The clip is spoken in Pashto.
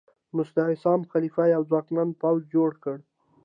مستعصم خلیفه یو ځواکمن پوځ جوړ کړ.